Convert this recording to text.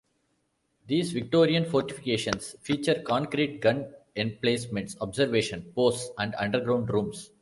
These Victorian fortifications feature concrete gun emplacements, observation posts and underground rooms.